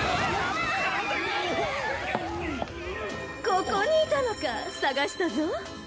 ここにいたのか捜したぞ。